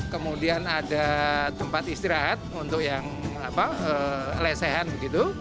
kemudian ada tempat istirahat untuk yang lesehan begitu